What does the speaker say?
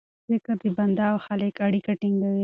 ذکر د بنده او خالق اړیکه ټینګوي.